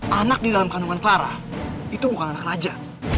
anak di dalam kandungan clara itu bukan anak raja